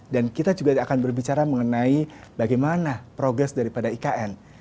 dan kita juga akan berbicara mengenai bagaimana progres daripada ikn